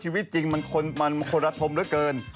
ชีวิตจริงมันคนละทมเหลือเกิน